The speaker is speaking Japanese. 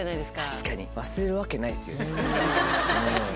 確かに忘れるわけないですよね。